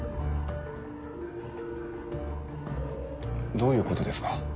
どういうことですか？